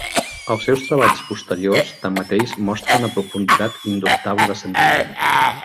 Els seus treballs posteriors, tanmateix, mostren una profunditat indubtable de sentiment.